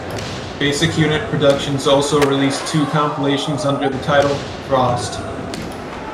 Basic Unit Productions also released two compilations under the title, "Frost".